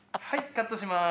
カットします。